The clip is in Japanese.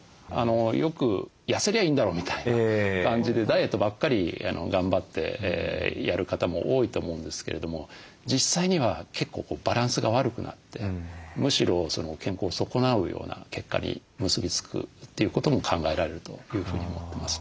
よく「やせりゃいいんだろ」みたいな感じでダイエットばっかり頑張ってやる方も多いと思うんですけれども実際には結構バランスが悪くなってむしろ健康を損なうような結果に結び付くということも考えられるというふうに思ってます。